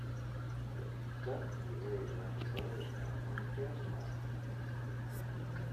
The name stuck and the area around his bar is now known as Gastown.